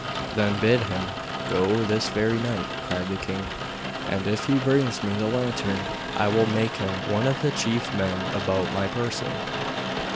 'Then bid him go this very night,' cried the king; 'and if he brings me the lantern I will make him one of the chief men about my person.